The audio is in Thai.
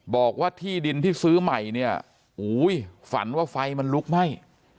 บอกว่าที่ดินที่ซื้อใหม่เนี่ยฝันว่าไฟมันลุกไหม้